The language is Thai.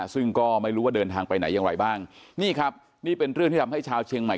ซึ่งก็ไม่รู้ว่าเดินทางไปไหนอย่างไรบ้างนี่ครับนี่เป็นเรื่องที่ทำให้ชาวเชียงใหม่